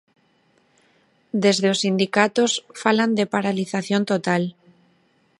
Desde os sindicatos falan de paralización total.